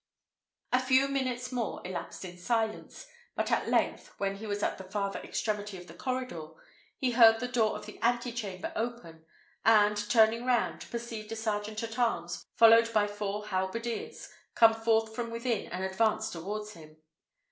A few minutes more elapsed in silence; but at length, when he was at the farther extremity of the corridor, he heard the door of the ante chamber open, and, turning round, perceived a sergeant at arms, followed by four halberdiers, come forth from within and advance towards him.